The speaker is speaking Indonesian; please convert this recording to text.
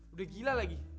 udah gila lagi